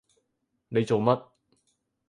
你做乜？